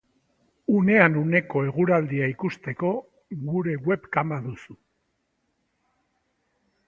Unean uneko eguraldia ikusteko, gure webkama duzu.